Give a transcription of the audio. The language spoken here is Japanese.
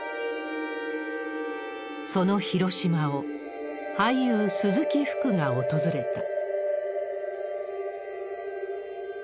その広島を、俳優、鈴木福が訪れた。